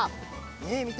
ねえみて。